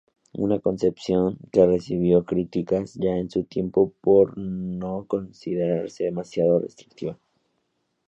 Una concepción que recibió críticas ya en su tiempo por considerarse demasiado restrictiva